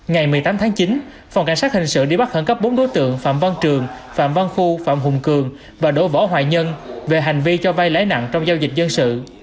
ngày một mươi tám tháng chín phòng cảnh sát hình sự đi bắt khẩn cấp bốn đối tượng phạm văn trường phạm văn khu phạm hùng cường và đỗ võ hoài nhân về hành vi cho vay lãi nặng trong giao dịch dân sự